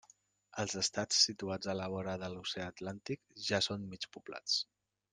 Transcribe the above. Els estats situats a la vora de l'oceà Atlàntic ja són mig poblats.